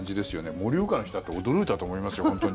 盛岡の人だって驚いたと思いますよ、本当に。